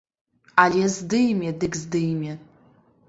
Але здыме, дык здыме!